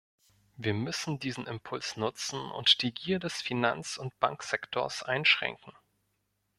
Wir müssen diesen Impuls nutzen und die Gier des Finanz- und Banksektors einschränken.